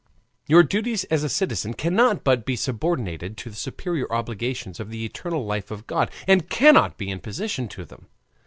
Your duties as a citizen cannot but be subordinated to the superior obligations of the eternal life of God, and cannot be in opposition to them.